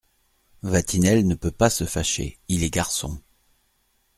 Vatinelle ne peut pas se fâcher… il est garçon !…